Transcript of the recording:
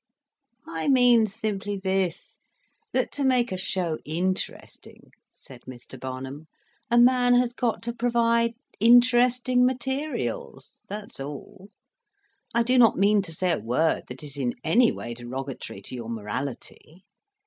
"I mean simply this: that to make a show interesting," said Mr. Barnum, "a man has got to provide interesting materials, that's all. I do not mean to say a word that is in any way derogatory to your morality.